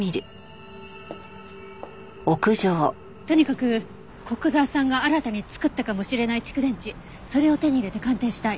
とにかく古久沢さんが新たに作ったかもしれない蓄電池それを手に入れて鑑定したい。